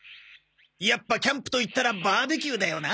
やっぱキャンプといったらバーベキューだよな！